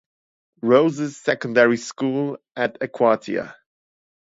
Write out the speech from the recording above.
Roses Secondary School at Akwatia.